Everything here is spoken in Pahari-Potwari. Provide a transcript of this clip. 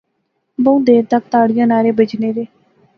بہوں دیر تک تاڑیاں نعرے بجنے رہے